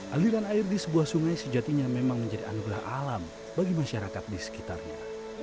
aliran air di sebuah sungai sejatinya memang menjadi anugerah alam bagi masyarakat di sekitarnya